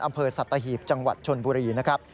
อำเภอสัตหีบจังหวัดชนบุรีนะครับ